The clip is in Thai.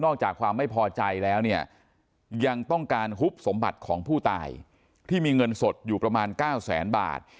จากความไม่พอใจแล้วเนี่ยยังต้องการหุบสมบัติของผู้ตายที่มีเงินสดอยู่ประมาณ๙แสนบาท